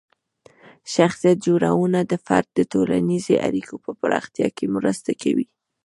شخصیت جوړونه د فرد د ټولنیزې اړیکو په پراختیا کې مرسته کوي.